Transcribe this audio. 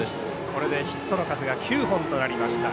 これでヒットの数９本となりました。